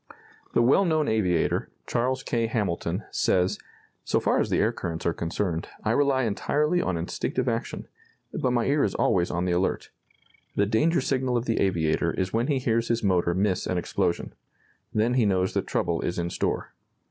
The well known aviator, Charles K. Hamilton, says: "So far as the air currents are concerned, I rely entirely on instinctive action; but my ear is always on the alert. The danger signal of the aviator is when he hears his motor miss an explosion. Then he knows that trouble is in store.